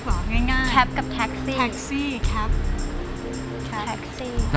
อียมขอบคุณครับ